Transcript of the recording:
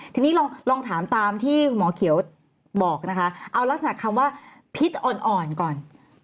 ทีนี้ลองถามตามที่คุณหมอเขียวบอกนะคะเอาลักษณะคำว่าพิษอ่อนก่อน